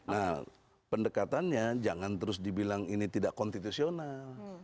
jadi dekatannya jangan terus dibilang ini tidak konstitusional